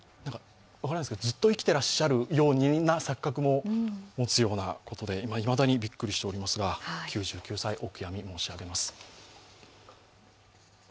ずっと生きていらっしゃるような錯覚も持つようなことで、いまだにびっくりしておりますが、９９歳、お悔やみ申し上げます。